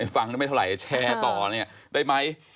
ฟังไม่เท่าไหร่แชร์ต่อเนี่ยได้ไหม